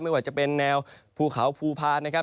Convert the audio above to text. ไม่ว่าจะเป็นแนวภูเขาภูพาลนะครับ